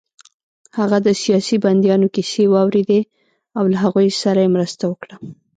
هغه د سیاسي بندیانو کیسې واورېدې او له هغوی سره يې مرسته وکړه